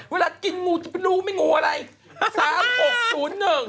เวลากินงูจะเป็นงูไม่งูอะไร